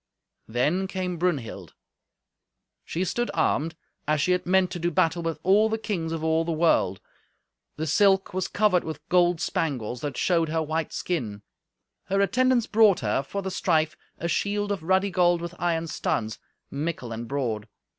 Then came Brunhild. She stood armed, as she had meant to do battle with all the kings of all the world. The silk was covered with gold spangles that showed her white skin. Her attendants brought her, for the strife, a shield of ruddy gold with iron studs, mickle and broad.